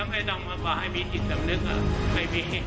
แล้วไม่ต้องมาฝ่าให้มีจิตสำนึกอ่ะ